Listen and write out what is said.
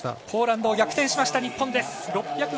ポーランド、逆転しました日本です。